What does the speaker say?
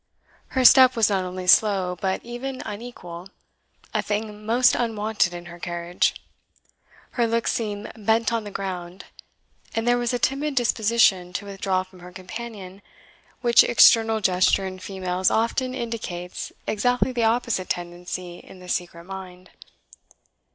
Her step was not only slow, but even unequal, a thing most unwonted in her carriage; her looks seemed bent on the ground; and there was a timid disposition to withdraw from her companion, which external gesture in females often indicates exactly the opposite tendency in the secret mind.